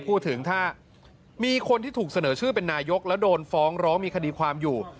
พูดถึงถ้ามีคนที่ถูกเสนอชื่อเป็นนายกแล้วโดนฟ้องร้องมีคดีความอยู่